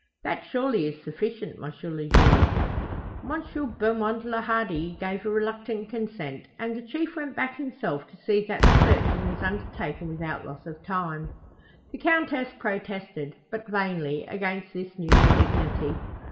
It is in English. That surely is sufficient, M. le Juge?" M. Beaumont le Hardi gave a reluctant consent, and the Chief went back himself to see that the searching was undertaken without loss of time. The Countess protested, but vainly, against this new indignity.